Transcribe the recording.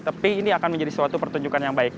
tapi ini akan menjadi suatu pertunjukan yang baik